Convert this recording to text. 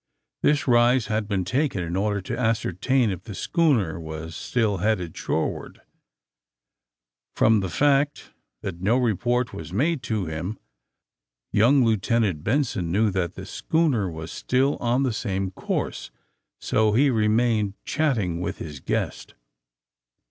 . This rise had been taken in order to ascer tain if the schooner was still headed shoreward. From the fact that no report was made to him young Lieutenant Benson knew that the schooner was still on the same course, so he re mained chatting with his guest.